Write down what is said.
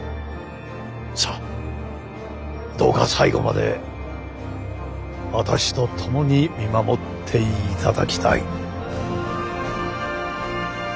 さぁどうか最後まで私と共に見守っていただきたい。